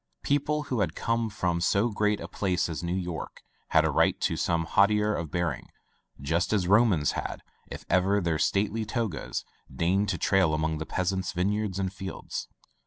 People who came from so great a place as New York had a right to some hauteur of bearing, just as Romans had, if ever their stately togas deigned to trail among the peasants' vineyards and fields.